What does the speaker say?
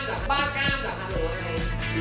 บ้าก้ามละบ้าก้ามละคันโรค่ะ